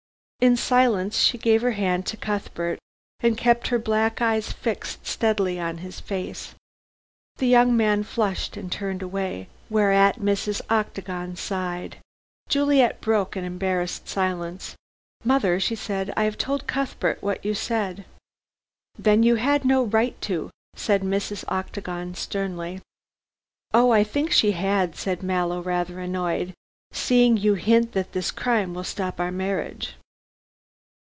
In silence she gave her hand to Cuthbert, and kept her black eyes fixed steadily on his face. The young man flushed and turned away, whereat Mrs. Octagon sighed. Juliet broke an embarrassed silence. "Mother," she said, "I have told Cuthbert what you said." "Then you had no right to," said Mrs. Octagon sternly. "Oh, I think she had," said Mallow, rather annoyed. "Seeing you hint that this crime will stop our marriage."